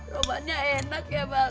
romanya enak ya bang